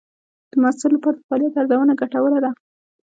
د محصل لپاره د فعالیت ارزونه ګټوره ده.